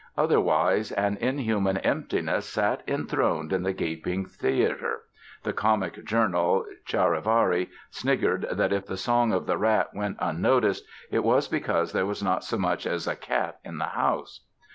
Otherwise an inhuman emptiness sat enthroned in the gaping theatre (the comic journal, Charivari, sniggered that if the Song of the Rat went unnoticed it was because there was not so much as a cat in the house!).